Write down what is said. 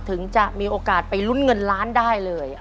ถึงจะมีโอกาสไปลุ้นเงินล้านได้เลย